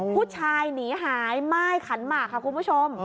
ผู้ชายหนีหายม่ายขันหมากค่ะคุณผู้ชม